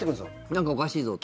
何かおかしいぞと。